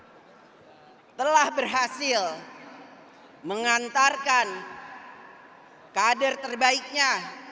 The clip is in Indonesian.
pdi perjuangan telah berhasil mengantarkan kader terbaiknya